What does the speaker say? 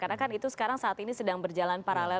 karena kan itu sekarang saat ini sedang berjalan paralel